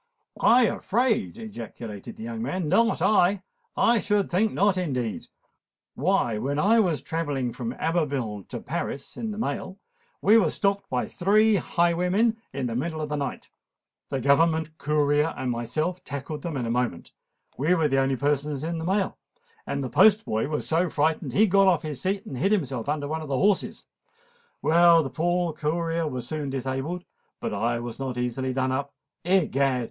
"I afraid!" ejaculated the young man; "not I! I should think not, indeed! Why, when I was travelling from Abbeville to Paris in the mail, we were stopped by three highwaymen in the middle of the night. The government courier and myself tackled them in a moment: we were the only persons in the mail, and the postboy was so frightened that he got off his seat and hid himself under one of the horses. Well, the poor courier was soon disabled; but I was not easily done up. Egad!